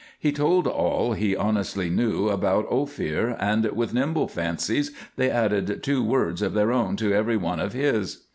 He told all he honestly knew about Ophir, and with nimble fancies they added two words of their own to every one of his.